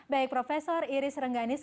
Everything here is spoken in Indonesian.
baik profesor irs rengganis